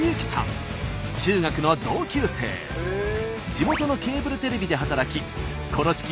地元のケーブルテレビで働きコロチキ